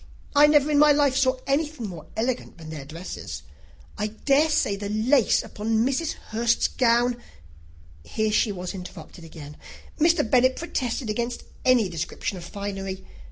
I never in my life saw anything more elegant than their dresses. I dare say the lace upon Mrs. Hurst's gown " Here she was interrupted again. Mr. Bennet protested against any description of finery.